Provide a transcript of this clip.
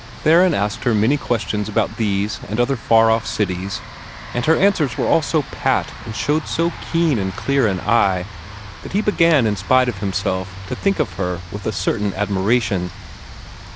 Theron asked her many questions about these and other far off cities, and her answers were all so pat and showed so keen and clear an eye that he began in spite of himself to think of her with a certain admiration.